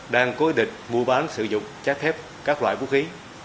chúng tôi sẽ cố định mua bán sử dụng trái phép các loại vũ khí